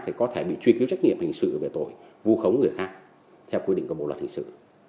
thì có thể bị truy cứu trách nhiệm hình sự về tội vu khống người khác theo quy định của bộ luật hình sự